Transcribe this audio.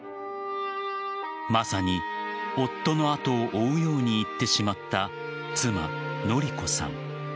まさに夫の後を追うように逝ってしまった妻・典子さん。